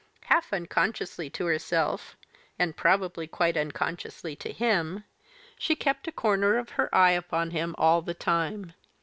Half unconsciously to herself and probably quite unconsciously to him she kept a corner of her eye upon him all the time.